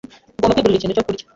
Ugomba kwigurira ikintu cyo kurya.